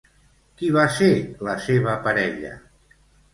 Qui va ser la seva parella?